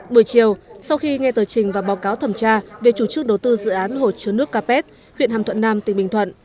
buổi chiều sau khi nghe tờ trình và báo cáo thẩm tra về chủ trương đầu tư dự án hồ chứa nước capet huyện hàm thuận nam tỉnh bình thuận